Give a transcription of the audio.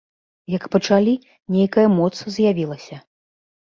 Як пачалі, нейкая моц з'явілася.